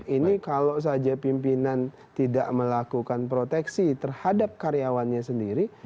ini kalau saja pimpinan tidak melakukan proteksi terhadap karyawannya sendiri